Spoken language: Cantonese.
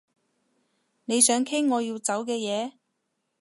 你想傾我要走嘅嘢